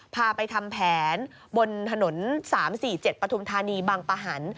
พาไปทำแผนบนถนน๓๔๗ปฐุมธานีบางปะหัน